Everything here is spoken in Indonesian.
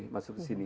masuk ke sini